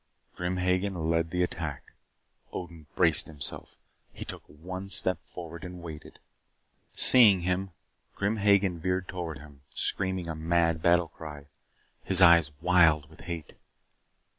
Grim Hagen led the attack. Odin braced himself. He took one step forward and waited. Seeing him, Grim Hagen veered toward him, screaming a mad battle cry his eyes wild with hate.